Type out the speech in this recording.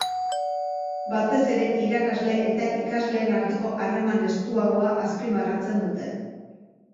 Batez ere, irakasle eta ikasleen arteko harreman estuagoa azpimarratzen dute.